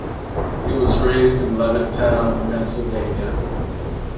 He was raised in Levittown, Pennsylvania.